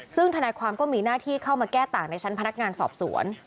ซึ่งธนายความก็มีหน้าที่เข้ามาแก้ต่างในชั้นพนักงานสอบสวน